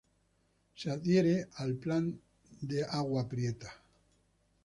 Se adhirió al Plan de Agua Prieta.